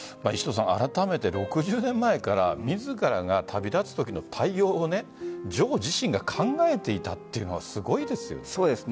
あらためて６０年前から自らが旅立つときの対応を女王自身が考えていたというのはすごいですよね。